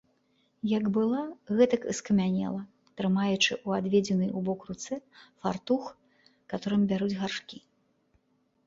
Як была, гэтак і скамянела, трымаючы ў адведзенай убок руцэ фартух, каторым бяруць гаршкі.